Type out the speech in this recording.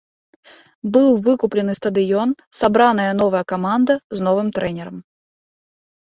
Быў выкуплены стадыён, сабраная новая каманда з новым трэнерам.